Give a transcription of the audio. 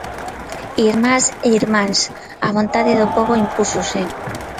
Irmás e irmáns: a vontade do pobo impúxose.